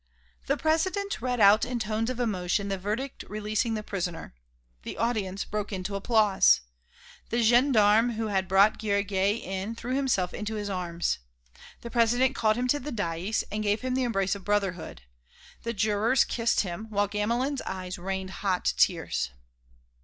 The President read out in tones of emotion the verdict releasing the prisoner; the audience broke into applause. The gendarme who had brought Guillergues in threw himself into his arms. The President called him to the daïs and gave him the embrace of brotherhood. The jurors kissed him, while Gamelin's eyes rained hot tears.